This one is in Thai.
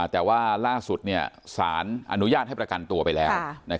แต่ว่าล่าสุดสารอนุญาตให้ประกันตัวไปแล้ว